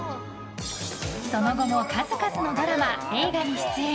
その後も数々のドラマ、映画に出演。